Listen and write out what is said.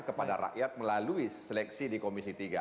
kepada rakyat melalui seleksi di komisi tiga